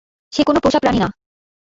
সে কোন পোষা প্রানী না।